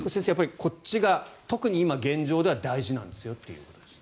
こっちが特に今、現状では大事なんですよということですね。